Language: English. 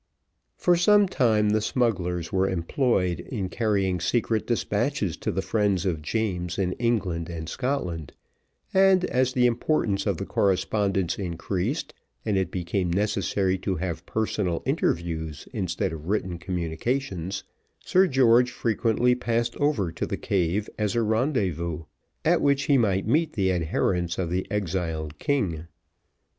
For some time the smugglers were employed in carrying secret despatches to the friends of James in England and Scotland; and, as the importance of the correspondence increased, and it became necessary to have personal interviews instead of written communications, Sir George frequently passed over to the cave as a rendezvous, at which he might meet the adherents of the exiled king.